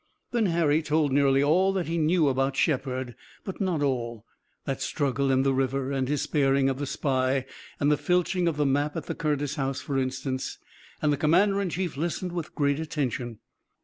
Then Harry told nearly all that he knew about Shepard, but not all that struggle in the river, and his sparing of the spy and the filching of the map at the Curtis house, for instance and the commander in chief listened with great attention.